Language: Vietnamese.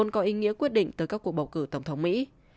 tổng thống mỹ